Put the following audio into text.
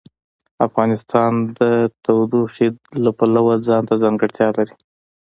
افغانستان د تودوخه د پلوه ځانته ځانګړتیا لري.